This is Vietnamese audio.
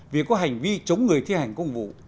trong hành vi chống người thi hành công vụ